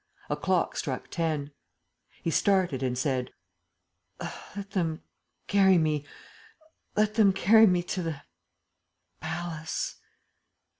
A clock struck ten. He started and said: "Let them carry me; let them carry me to the palace."